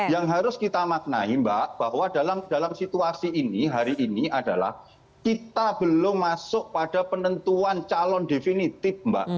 yang harus kita maknai mbak bahwa dalam situasi ini hari ini adalah kita belum masuk pada penentuan calon definitif mbak